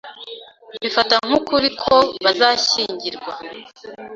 Mbifata nk'ukuri ko bazashyingirwa.